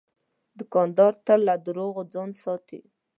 دوکاندار تل له دروغو ځان ساتي.